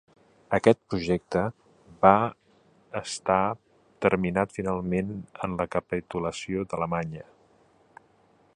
Aquest projecte va està terminat finalment en la capitulació d'Alemanya.